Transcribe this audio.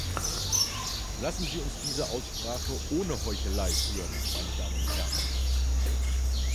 Lassen Sie uns diese Aussprache ohne Heuchelei führen, meine Damen und Herren.